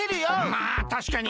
まあたしかに。